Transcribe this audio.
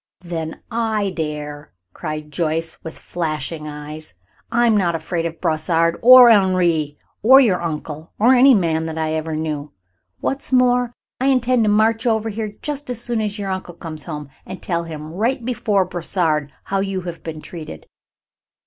"Then I dare," cried Joyce with flashing eyes. "I am not afraid of Brossard or Henri or your uncle, or any man that I ever knew. What's more, I intend to march over here just as soon as your uncle comes home, and tell him right before Brossard how you have been treated."